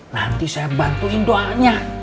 nanti saya bantuin doanya